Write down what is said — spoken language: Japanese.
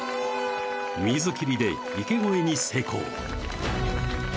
水切りで池越えに成功